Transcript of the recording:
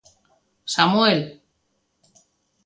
Samuel.